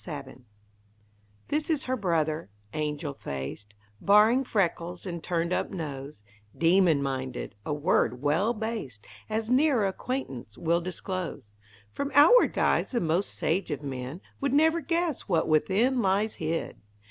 SABIN This is Her brother; angel faced, Barring freckles and turned up nose, Demon minded a word well based, As nearer acquaintance will disclose. From outward guise the most sage of men Would never guess what within lies hid!